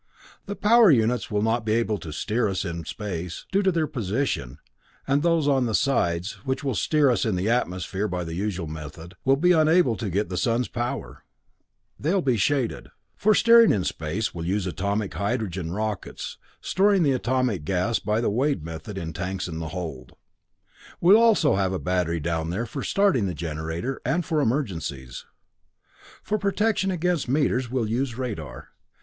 "The power units will not be able to steer us in space, due to their position, and those on the sides, which will steer us in the atmosphere by the usual method, will be unable to get the sun's power; they'll be shaded. For steering in space, we'll use atomic hydrogen rockets, storing the atomic gas by the Wade method in tanks in the hold. We'll also have a battery down there for starting the generator and for emergencies. "For protection against meteors, we'll use radar.